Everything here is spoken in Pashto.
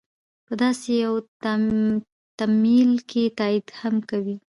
په داسې یو تمایل که تایید هم کوي.